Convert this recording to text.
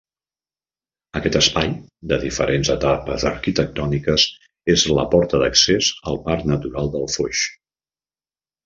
Aquest espai, de diferents etapes arquitectòniques, és la porta d'accés al Parc Natural del Foix.